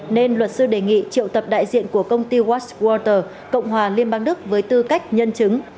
nên luật sư đề nghị triệu tập đại diện của công ty watch waters cộng hòa liên bang đức với tư cách nhân chứng